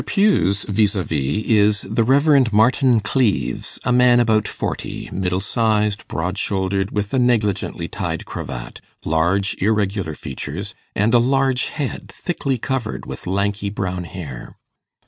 Pugh's vis a vis is the Rev. Martin Cleves, a man about forty middle sized, broad shouldered, with a negligently tied cravat, large irregular features, and a large head, thickly covered with lanky brown hair.